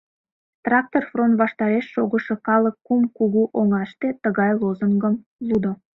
Трактор фронт ваштареш шогышо калык кум кугу оҥаште тыгай лозунгым лудо: